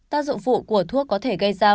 tác dụng phụ của thuốc có thể gây ra